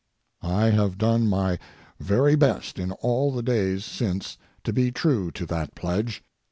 I have done my very best in all the days since to be true to that pledge.